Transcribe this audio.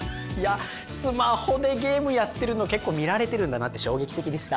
スマホでゲームやってるの結構見られてるんだなって衝撃的でした。